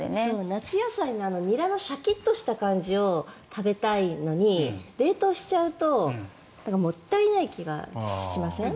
夏野菜のニラのシャキッとした感じを食べたいのに、冷凍しちゃうともったいない気がしません？